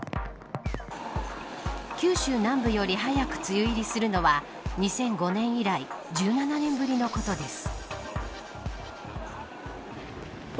九州南部より早く梅雨入りするのは２００５年以来１７年ぶりのことです。